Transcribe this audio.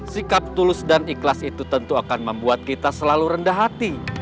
sikap tulus dan ikhlas itu tentu akan membuat kita selalu rendah hati